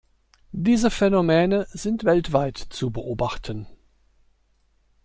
Diese Phänomene sind weltweit zu beobachten.